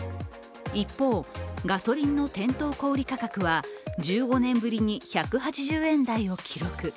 一方、ガソリンの店頭小売価格は１５年ぶりに１８０円台を記録。